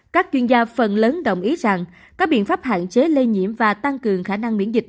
các chuyên gia phần lớn đồng ý rằng các biện pháp hạn chế lây nhiễm và tăng cường khả năng miễn dịch